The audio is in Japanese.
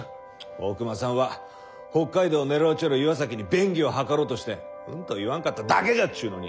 大隈さんは北海道を狙うちょる岩崎に便宜を図ろうとしてうんと言わんかっただけじゃっちゅうのに。